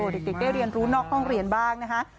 เด็กได้เรียนรู้นอกห้องเรียนบ้างนะคะ